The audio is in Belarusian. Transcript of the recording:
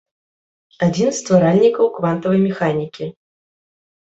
Адзін з стваральнікаў квантавай механікі.